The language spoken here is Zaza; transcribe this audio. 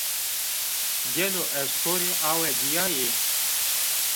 Gelo estorî awe dîyayî?